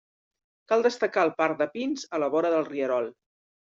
Cal destacar el parc de pins a la vora del rierol.